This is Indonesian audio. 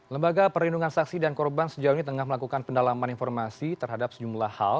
lembaga perlindungan saksi dan korban sejauh ini tengah melakukan pendalaman informasi terhadap sejumlah hal